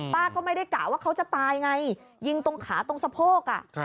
ป้าก็ไม่ได้กะว่าเขาจะตายไงยิงตรงขาตรงสะโพก